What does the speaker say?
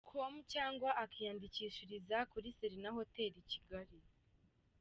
com cyangwa akiyandikishiriza kuri Serena Hotel i Kigali.